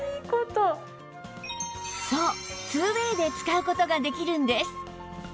そう ２ＷＡＹ で使う事ができるんです